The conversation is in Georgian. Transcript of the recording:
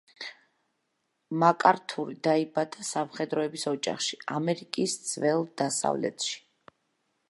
მაკართური დაიბადა სამხედროების ოჯახში, ამერიკის ძველ დასავლეთში.